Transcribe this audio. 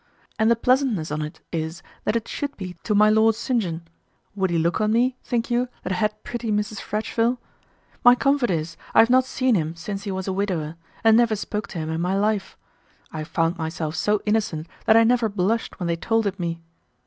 And the pleasantness on't is that it should be to my Lord St. John. Would he look on me, think you, that had pretty Mrs. Fretcheville? My comfort is, I have not seen him since he was a widower, and never spoke to him in my life. I found myself so innocent that I never blushed when they told it me.